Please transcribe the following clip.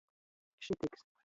Šitiks.